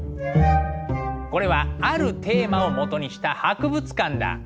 これはあるテーマをもとにした博物館だ。